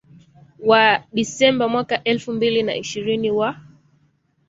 wa Disemba mwaka elfu mbili na ishirini wa